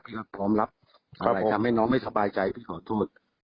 พี่ก็พร้อมรับครับผมทำให้น้องไม่สบายใจพี่ขอโทษ